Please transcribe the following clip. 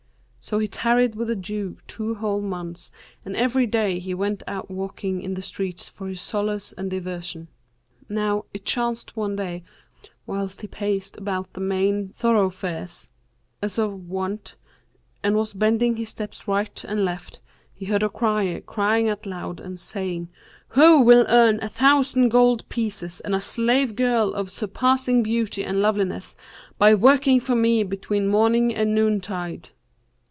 So he tarried with the Jew two whole months and every day he went out walking in the streets for his solace and diversion. Now it chanced one day, whilst he paced about the main thoroughfares, as of wont, and was bending his steps right and left, he heard a crier crying aloud and saying, 'Who will earn a thousand gold pieces and a slave girl of surpassing beauty and loveliness by working for me between morning and noontide?'